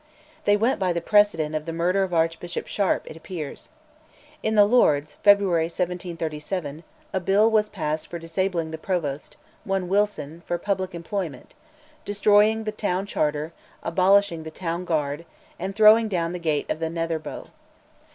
They went by the precedent of the murder of Archbishop Sharp, it appears. In the Lords (February 1737) a Bill was passed for disabling the Provost one Wilson for public employment, destroying the Town Charter, abolishing the Town Guard, and throwing down the gate of the Nether Bow.